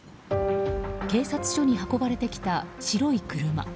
警察署に運ばれてきた白い車。